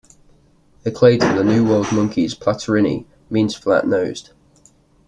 The clade for the New World monkeys, Platyrrhini, means "flat nosed".